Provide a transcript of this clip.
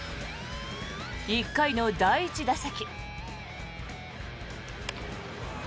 １回の第１打席。